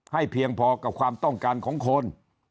เพียงพอกับความต้องการของคน